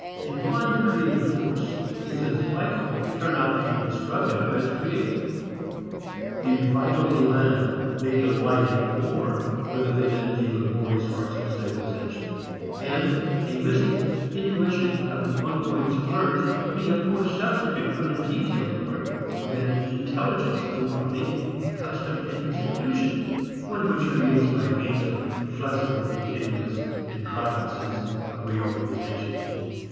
A blind creative force is as likely to turn out to be destructive as creative; the vital élan may delight in war rather than in the laborious arts of civilization, and a mystic intuition of an ongoing splurge be a poor substitute for the detailed work of an intelligence embodied in custom and institution, one which creates by means of flexible continuous contrivances of reorganization.